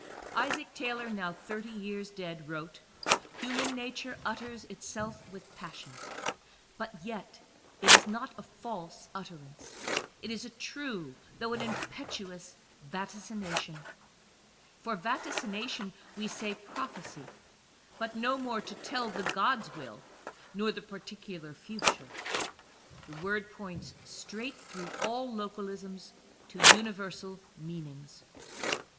Isaac Taylor, now thirty years dead, wrote: "Human nature utters itself with passion ; but yet it is not a false utterance ; it is a true though an impetuous vaticination." For vaticination we say, prophecy, but no more to tell the god's will, nor the particu lar future. The word points straight through all localisms to universal meanings.